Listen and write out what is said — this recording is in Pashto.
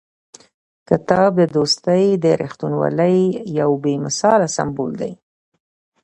کتاب د دوستۍ او رښتینولۍ یو بې مثاله سمبول دی.